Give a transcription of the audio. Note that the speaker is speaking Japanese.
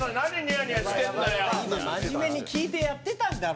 有吉：今、真面目に聞いてやってたんだろ。